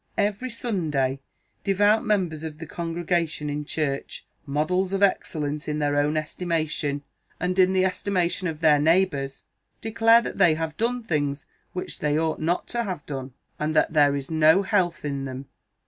Every Sunday, devout members of the congregation in church models of excellence in their own estimation, and in the estimation of their neighbours declare that they have done those things which they ought not to have done, and that there is no health in them.